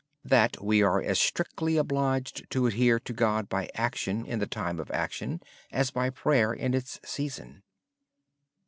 We are as strictly obliged to adhere to God by action in the time of action, as by prayer in its season.